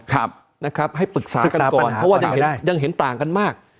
ครับนะครับให้ปรึกษากันก่อนเพราะว่ายังเห็นยังเห็นต่างกันมาก